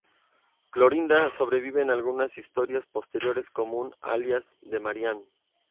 Clorinda sobrevive en algunas historias posteriores como un alias de Marian.